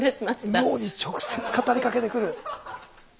脳に直接語りかけてくる。